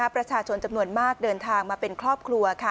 ประชาชนจำนวนมากเดินทางมาเป็นครอบครัว